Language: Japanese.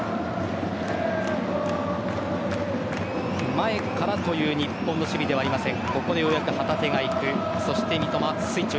前からという日本の守備ではありません。